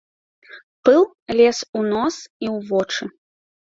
Пыл лез у нос і ў вочы.